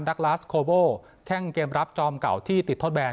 ลาสโคโบแข้งเกมรับจอมเก่าที่ติดทดแนน